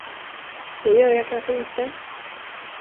Det gör jag kanske inte.